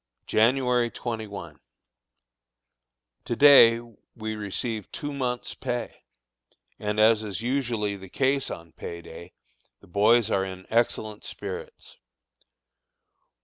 January 21. To day we received two months' pay, and, as is usually the case on pay day, the boys are in excellent spirits.